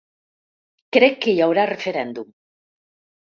Crec que hi haurà referèndum.